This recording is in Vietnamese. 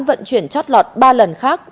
vận chuyển chót lọt ba lần khác